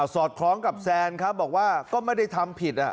อดคล้องกับแซนครับบอกว่าก็ไม่ได้ทำผิด